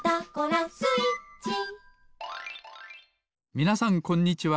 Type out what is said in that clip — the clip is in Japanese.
みなさんこんにちは。